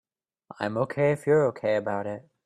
I'm OK if you're OK about it.